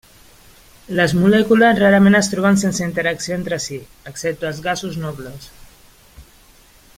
Les molècules rarament es troben sense interacció entre si, excepte els gasos nobles.